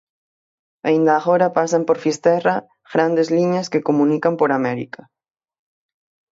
Aínda agora pasan por Fisterra grandes liñas que comunican por América.